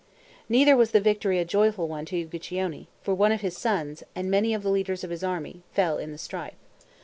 Neither was the victory a joyful one to Uguccione; for one of his sons, and many of the leaders of his army, fell in the strife.